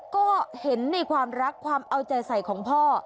ก็เห็นในความรักความเอาใจใส่ของพ่อ